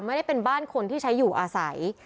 ไม่ได้เป็นบ้านคนที่ใช้อยู่อาศัย